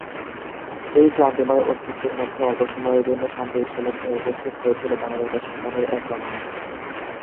এই ক্লান্তিময় অস্তিত্বের মধ্যে অল্প সময়ের জন্য শান্তির ঝলক নিয়ে উপস্থিত হয়েছিল বনলতা সেন নামের এক রমণী।